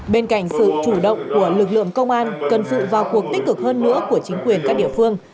bên cạnh sự chủ động của lực lượng công an cần sự vào cuộc tích cực hơn nữa của chính quyền các địa phương